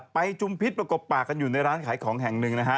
จุมพิษประกบปากกันอยู่ในร้านขายของแห่งหนึ่งนะฮะ